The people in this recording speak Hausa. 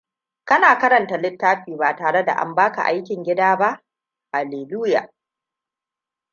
Kana karanta littafi ba tare da an baka aikin gida ba? Hallelujah!